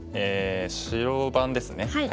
白番ですね。